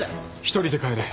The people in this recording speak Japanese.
１人で帰れ。